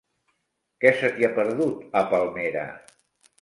Què se t'hi ha perdut, a Palmera?